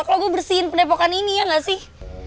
kalau gue bersihin pendepokan ini ya gak sih